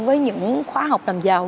với những khoa học làm giàu